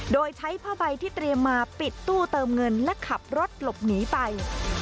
โดยใช้ผ้าใบที่เตรียมมาปิดตู้เติมเงินและขับรถหลบหนีไป